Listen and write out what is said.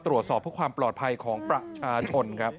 ตรวจสอบเพื่อความปลอดภัยของประชาชนครับ